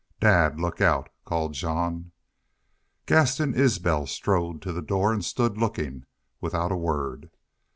"Dad, look out!" called Jean. Gaston Isbel strode to the door and stood looking, without a word.